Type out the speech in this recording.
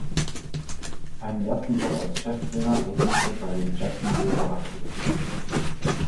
Einen ersten Job als Cheftrainer erhielt er bei den Jacksonville Barracudas.